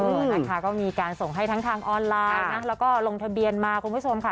เออนะคะก็มีการส่งให้ทั้งทางออนไลน์นะแล้วก็ลงทะเบียนมาคุณผู้ชมค่ะ